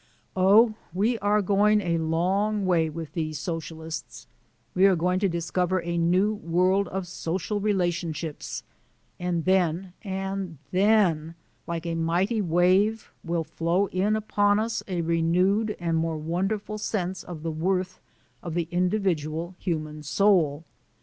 Oh, we are going a long way with these Socialists, we are going to discover a new world of social relationships and then, and then, like a mighty wave; will flow in upon us a renewed and more wonderful sense of the worth of the individual human soul.